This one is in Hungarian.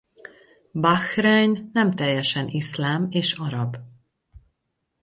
Bahrein nem teljesen iszlám és arab.